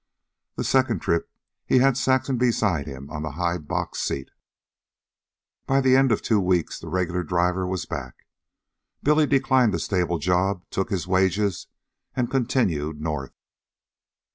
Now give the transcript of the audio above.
The second trip he had Saxon beside him on the high boxseat. By the end of two weeks the regular driver was back. Billy declined a stable job, took his wages, and continued north.